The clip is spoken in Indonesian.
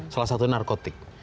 salah satu narkotik